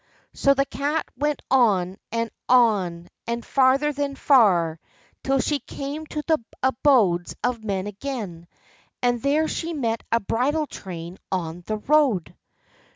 So the Cat went on and on, and farther than far, till she came to the abodes of men again, and there she met a bridal train on the road.